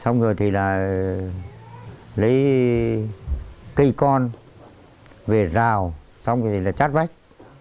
xong rồi thì là lấy cây con về rào xong rồi là chát vách